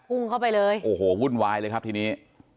พุ่งเข้าไปเลยโอ้โหวุ่นวายเลยครับทีนี้